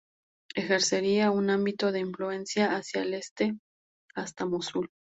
Ejercería un ámbito de influencia hacia el Este, hasta Mosul.